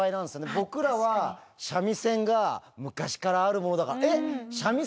僕らは三味線が昔からあるものだから。